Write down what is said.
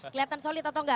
kelihatan solid atau enggak